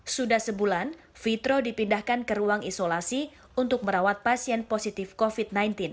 sudah sebulan fitro dipindahkan ke ruang isolasi untuk merawat pasien positif covid sembilan belas